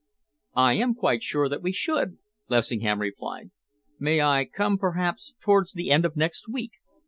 "I am quite sure that we should," Lessingham replied. "May I come, perhaps, towards the end of next week?